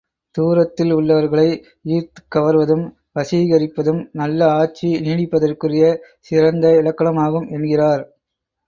தூரத்தில் உள்ளவர்களை ஈர்த்துக் கவர்வதும், வசீகரிப்பதும் நல்ல ஆட்சி நீடிப்பதற்குரிய சிறந்த இலக்கணமாகும் என்கிறார்.